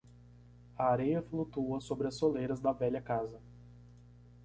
A areia flutua sobre as soleiras da velha casa.